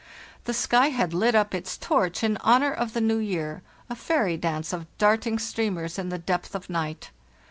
The sky had lit up its torch in honor of the new year—a fairy dance of darting streamers in the depth of night.